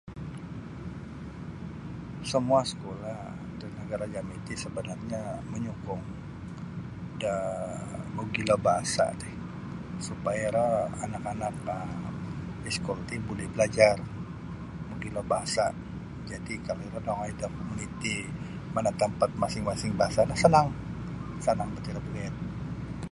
Samua sekolah da nagara' jami' ti sabanarnyo manyukung da mogilo bahasa' ti supaya iro anak-anak no iskul ti buli balajar mogilo bahasa' jadi' kalau iro nongoi da komuniti mana tampat masing-masing bahasa' do sanang sanang bat iro bagayad.